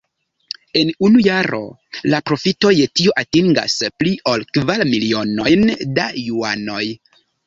En unu jaro la profito je tio atingas pli ol kvar milionojn da juanoj.